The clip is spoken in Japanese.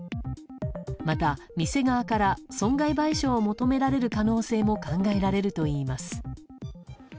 また、店側から損害賠償を求められる可能性も考えられるといいます。